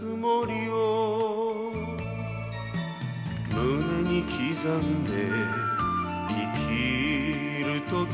「胸に刻んで生きるとき」